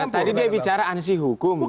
tadi dia bicara ansih hukum